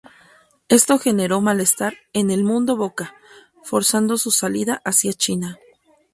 Esto generó malestar en el "mundo Boca," forzando su salida hacia China.